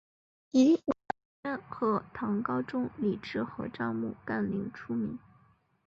以武则天和唐高宗李治合葬墓干陵出名。